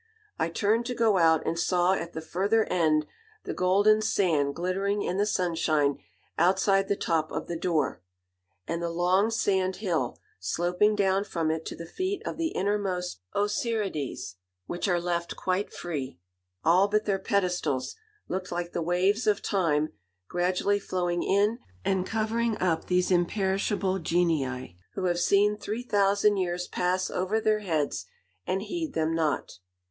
I turned to go out, and saw at the further end the golden sand glittering in the sunshine outside the top of the door; and the long sand hill, sloping down from it to the feet of the innermost Osirides, which are left quite free, all but their pedestals, looked like the waves of time, gradually flowing in and covering up these imperishable genii, who have seen three thousand years pass over their heads and heed them not.